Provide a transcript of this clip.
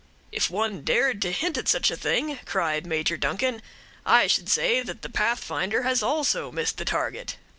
"'If one dared to hint at such a thing,' cried Major Duncan, 'I should say that the Pathfinder has also missed the target!'"